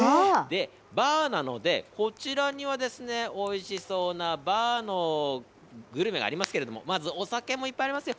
ＢＡＲなので、こちらにはおいしそうなＢＡＲのグルメがありますけれども、まずお酒もいっぱいありますよ。